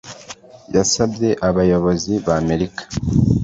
yasabye abayobozi b'amerika